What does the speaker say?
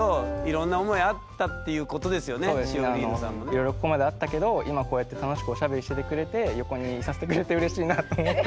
いろいろここまであったけど今こうやって楽しくおしゃべりしててくれて横にいさせてくれてうれしいなと思って。